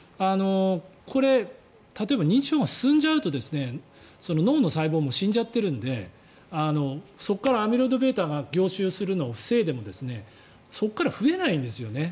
これ、例えば認知症が進んでしまうと脳の細胞も死んじゃっているのでそこからアミロイドβが凝集するのを防いでもそこから増えないんですよね